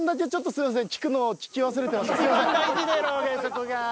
すいません！